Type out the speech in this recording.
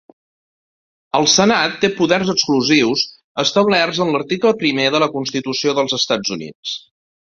El Senat té poders exclusius establerts en l'article primer de la Constitució dels Estats Units.